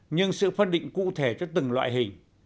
nhưng sự phân định cụ thể cho từng loại hình